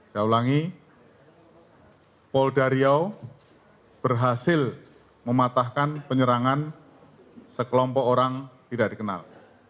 saya ulangi polda riau berhasil mematahkan penyerangan sekelompok orang tidak dikenal